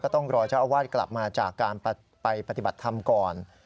ต้องรอเจ้าอาวาสกลับมาจากการไปปฏิบัติธรรมก่อน